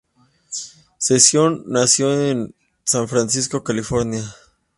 Sessions nació en San Francisco, California.